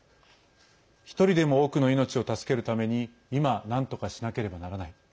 １人でも多くの命を助けるために今、なんとかしなければならない。